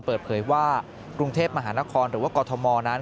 เปิดเผยว่ากรุงเทพมหานครหรือว่ากรทมนั้น